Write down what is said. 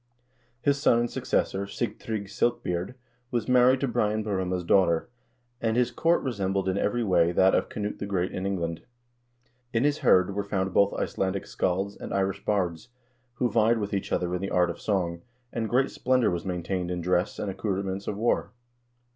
His son and successor, Sigtrygg Silk beard, was married to Brian Borumha's daughter, and his court resembled in every way that of Knut the Great in England. In his hird were found both Icelandic scalds and Irish bards, who vied with each other in the art of song, and great splendor was maintained in dress and accouterments of war.